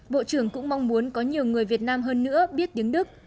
bộ trưởng cũng mong muốn có nhiều người việt nam hơn nữa biết tiếng đức